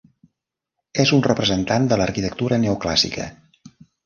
És un representant de l'arquitectura neoclàssica.